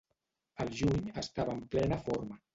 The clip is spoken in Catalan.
Al juny estava en plena forma.